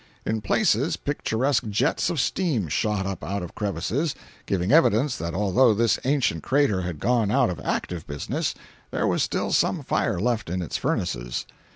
In places, picturesque jets of steam shot up out of crevices, giving evidence that although this ancient crater had gone out of active business, there was still some fire left in its furnaces.